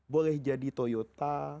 boleh jadi toyota